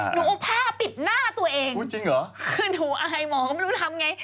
หนูโภ่ผ้าปิดหน้าตัวเองคือหนูอายหมอก็ไม่รู้ทำอย่างไร